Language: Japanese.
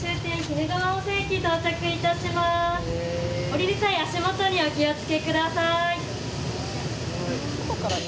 降りる際足元にお気を付けください。